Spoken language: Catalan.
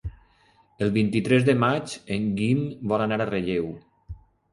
El vint-i-tres de maig en Guim vol anar a Relleu.